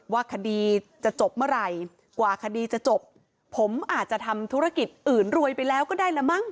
ว่าคดีจะจบเมื่อไหร่กว่าคดีจะจบผมอาจจะทำธุรกิจอื่นรวยไปแล้วก็ได้ละมั้ง